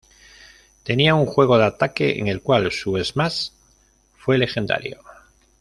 Tenía un juego de ataque en el cual su smash fue legendario.